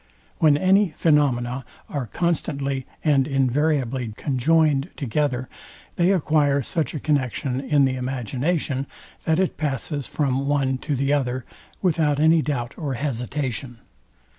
When any phaenomena are constantly and invariably conjoined together, they acquire such a connexion in the imagination, that it passes from one to the other, without any doubt or hesitation.